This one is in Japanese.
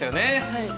はい。